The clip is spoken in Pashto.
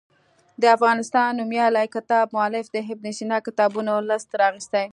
د افغانستان نومیالي کتاب مولف د ابن سینا کتابونو لست راخیستی.